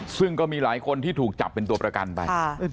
ซึ่งก็มีหลายคนที่ถูกจับเป็นตัวประกันไป